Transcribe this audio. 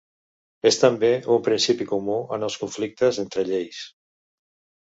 És també un principi comú en el conflictes entre lleis.